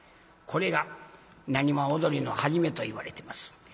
これが浪花踊りの初めといわれてます。